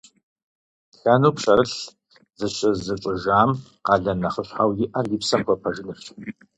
Тхэну пщэрылъ зыщызыщӀыжам къалэн нэхъыщхьэу иӀэр и псэм хуэпэжынырщ.